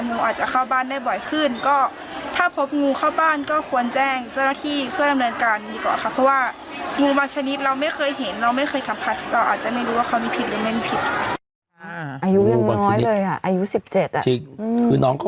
งูอาจจะเข้าบ้านได้บ่อยขึ้นก็ถ้าพบงูเข้าบ้านก็ควรแจ้งเจ้าหน้าที่เพื่อนำเนินการดีกว่าค่ะ